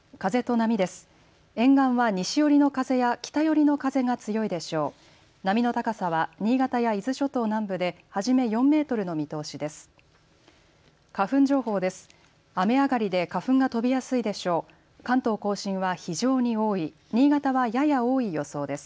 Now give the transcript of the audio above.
波の高さは新潟や伊豆諸島南部で初め４メートルの見通しです。